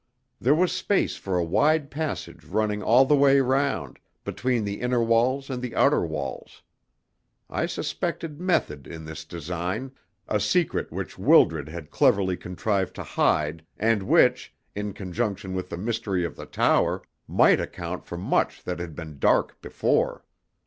There was space for a wide passage running all the way round, between the inner walls and the outer walls. I suspected method in this design a secret which Wildred had cleverly contrived to hide, and which, in conjunction with the mystery of the tower, might account for much that had been dark before.